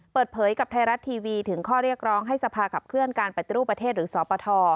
เปิดเผยกับไทยรัฐทีวีถึงข้อเรียกร้องให้สภาขับเคลื่อนการปฏิรูปประเทศหรือสปท